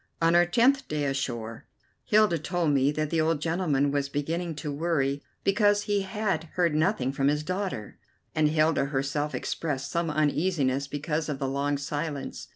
On our tenth day ashore Hilda told me that the old gentleman was beginning to worry because he had heard nothing from his daughter, and Hilda herself expressed some uneasiness because of the long silence.